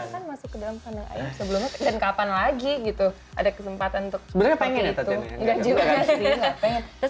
pernah masuk ke dalam sebelumnya dan kapan lagi gitu ada kesempatan untuk pengen itu